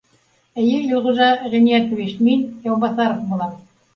— Эйе, Илғужа Ғиниәтович, мин — Яубаҫаров булам